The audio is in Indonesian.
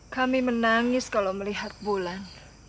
kami menangis kalau melihat bulan